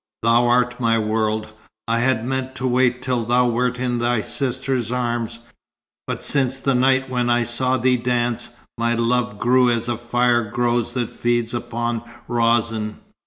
Thou art my world. I had meant to wait till thou wert in thy sister's arms; but since the night when I saw thee dance, my love grew as a fire grows that feeds upon rezin.